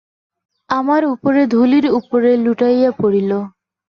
আমার উপরে ধূলির উপরে লুটাইয়া পড়িল।